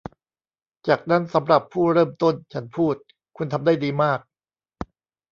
'จากนั้นสำหรับผู้เริ่มต้น' ฉันพูด 'คุณทำได้ดีมาก'